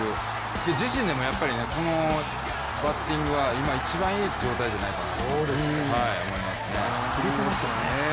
自身でも、このバッティングは今、一番いい状態じゃないかなと思いますね。